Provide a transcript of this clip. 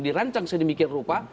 dirancang ke dalam kajian